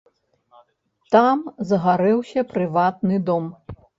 Там загарэўся прыватны дом.